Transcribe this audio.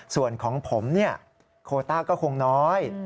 ส่วนของผมเนี่ยโคต้าก็คงน้อย